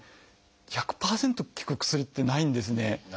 １００％効く薬ってないんですね。